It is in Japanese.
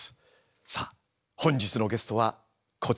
さあ本日のゲストはこちらの方です。